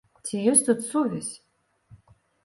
Ці есць тут сувязь?